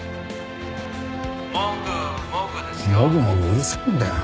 うるさいんだよ